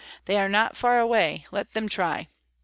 They are not far away, let them try!